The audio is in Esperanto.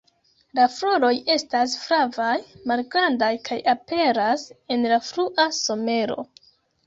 La floroj estas flavaj, malgrandaj kaj aperas en la frua somero.